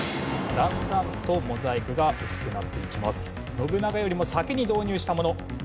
信長よりも先に導入したもの。